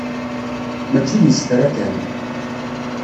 Mačči d isefra kan.